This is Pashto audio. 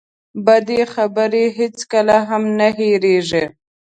بدې خبرې هېڅکله هم نه هېرېږي.